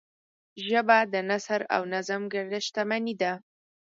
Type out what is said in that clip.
ژبه د نثر او نظم ګډ شتمنۍ ده